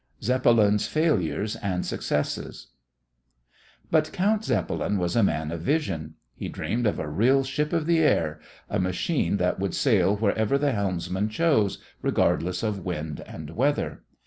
ZEPPELIN'S FAILURES AND SUCCESSES But Count Zeppelin was a man of vision. He dreamed of a real ship of the air a machine that would sail wherever the helmsman chose, regardless of wind and weather.